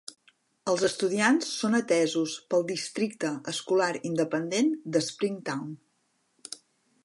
Els estudiants són atesos pel Districte Escolar Independent de Springtown.